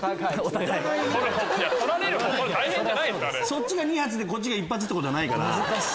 そっちが２発でこっちが１発ってことはないから。